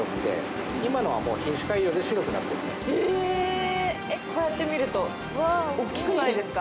へえー、こうやって見ると大きくないですか？